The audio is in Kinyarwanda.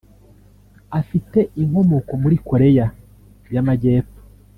Afite inkomoko muri Koreya y’Amajyepfo